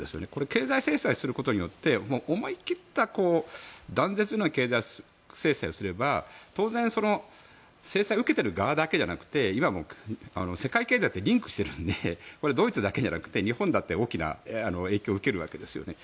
経済制裁することによって思い切った断絶のような経済制裁をすれば当然、制裁を受けている側だけじゃなくて今も世界経済ってリンクしているのでドイツだけじゃなくて日本だって大きな影響を受けるわけですよね。